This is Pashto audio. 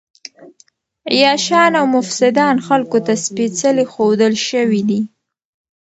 عياشان او مفسدان خلکو ته سپېڅلي ښودل شوي دي.